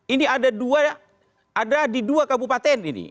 ini ada di dua kabupaten ini